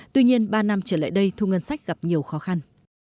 tuy nhiên ba năm trở lại đây thu ngân sách gặp nhiều khó khăn